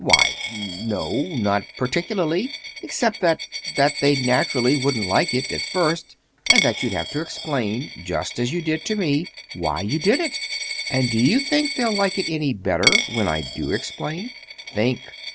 "Why, n no, not particularly, except that—that they naturally wouldn't like it, at first, and that you'd have to explain—just as you did to me—why you did it." "And do you think they'll like it any better—when I do explain? Think!"